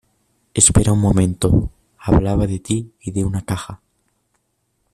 espera un momento. hablaba de ti y de una caja